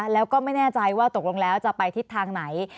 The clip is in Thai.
แล้วก็ไม่แน่ใจว่าตกลงแล้วจะไปทิศทางไหน